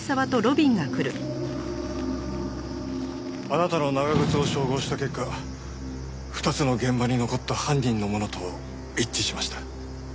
あなたの長靴を照合した結果２つの現場に残った犯人のものと一致しました。